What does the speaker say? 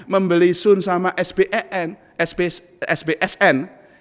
membeli sun sama sbsn